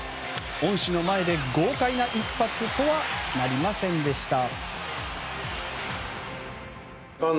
恩師の前で豪快な一発とはなりませんでした。